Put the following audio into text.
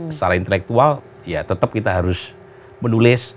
secara intelektual ya tetap kita harus menulis